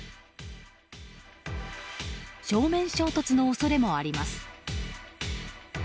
正面衝突の恐れもあります。